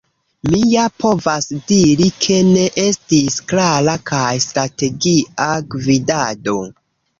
“Mi ja povas diri, ke ne estis klara kaj strategia gvidado.